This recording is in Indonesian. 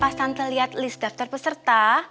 pas tante lihat list daftar peserta